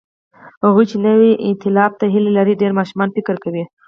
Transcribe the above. هغوی چې نوي ائتلاف ته هیله لري، ډېر ماشومانه فکر کوي.